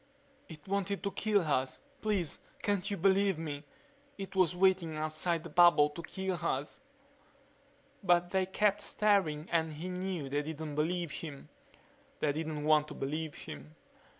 "It wanted to kill us. Please can't you believe me? It was waiting outside the bubble to kill us." But they kept staring and he knew they didn't believe him. They didn't want to believe him ...